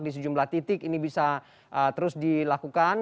di sejumlah titik ini bisa terus dilakukan